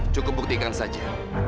cukup buktikan saja